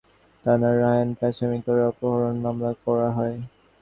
পরের দিন ঢাকার শাহজাহানপুর থানায় রায়হানকে আসামি করে অপহরণ মামলা করা হয়।